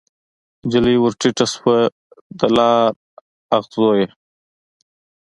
نجلۍ ورټیټه شوه د لار اغزو یې